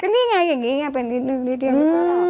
นี่ไงอย่างนี้ไงเป็นนิดนึงนิดเดียว